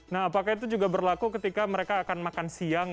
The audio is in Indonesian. nah apakah itu juga berlaku ketika mereka akan makan siang